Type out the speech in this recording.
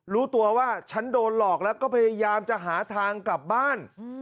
รู้ตัวว่าฉันโดนหลอกแล้วก็พยายามจะหาทางกลับบ้าน